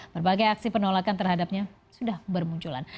berbagai aksi penolakan terhadapnya sudah bermunculan